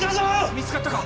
見つかったか！